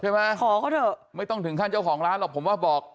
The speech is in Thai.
ขอเขาเถอะไม่ต้องถึงขั้นเจ้าของร้านหรอกผมว่าบอก